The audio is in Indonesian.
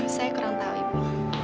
saya kurang tahu ibu